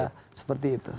kita percaya seperti itu